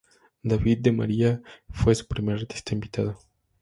David de María fue su primer artista invitado.